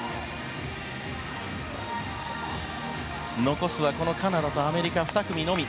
残すはカナダとアメリカ２組のみ。